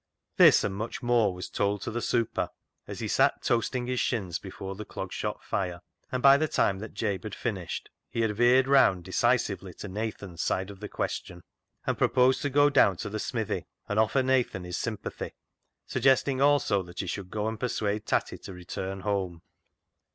This, and much more, was told to the "super" as he sat toasting his shins before the Clog Shop fire, and by the time that Jabe had finished, he had veered round decisively to Nathan's side of the question, and proposed to go down to the smithy and offer Nathan his sympathy, suggesting also that he should go and persuade Tatty to return home.